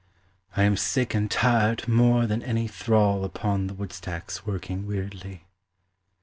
I am sick, and tired more than any thrall Upon the woodstacks working weariedly.